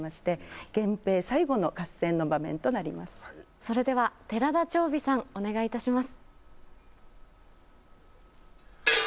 それでは寺田蝶美さんお願いいたします。